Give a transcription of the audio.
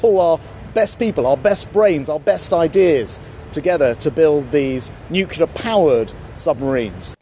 untuk membangun submarine yang berbentuk nuklir